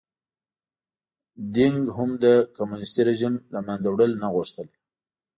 دینګ هم د کمونېستي رژیم له منځه وړل نه غوښتل.